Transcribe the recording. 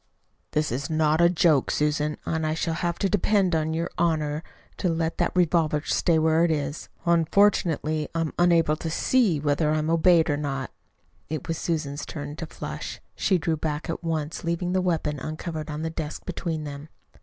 "This is not a joke, Susan, and I shall have to depend on your honor to let that revolver stay where it is. Unfortunately I am unable to SEE whether I am obeyed or not." It was Susan's turn to flush. She drew back at once, leaving the weapon uncovered on the desk between them.